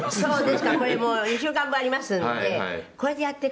ですからこれもう２週間分ありますのでこれでやっていくとね